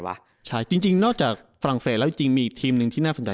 ใช่จริงนอกจากฝรั่งเศสแล้วจริงมีอีกทีมหนึ่งที่น่าสนใจ